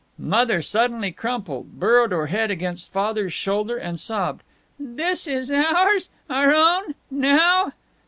Mother suddenly crumpled, burrowed her head against Father's shoulder and sobbed: "This is ours? Our own? Now?"